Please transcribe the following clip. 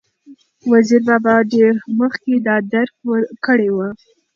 وزیر بابا ډېر مخکې دا درک کړې وه،